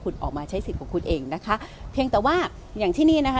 คุณออกมาใช้สิทธิ์ของคุณเองนะคะเพียงแต่ว่าอย่างที่นี่นะคะ